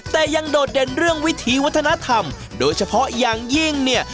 แต่ยังโดดเด่นเรื่องวิถีวัฒนธรรมโดยเฉพาะอย่างยิ่งเนี่ย